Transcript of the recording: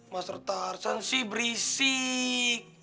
mas tarzan sih berisik